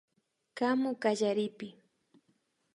Kamu kallaripi